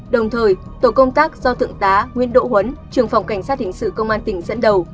đồng thời tổ công tác do thượng tá nguyễn đỗ huấn trưởng phòng cảnh sát hình sự công an tỉnh dẫn đầu